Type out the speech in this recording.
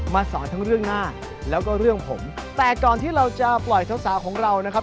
สอนทั้งเรื่องหน้าแล้วก็เรื่องผมแต่ก่อนที่เราจะปล่อยสาวสาวของเรานะครับ